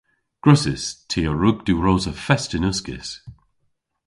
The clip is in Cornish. Gwrussys. Ty a wrug diwrosa fest yn uskis.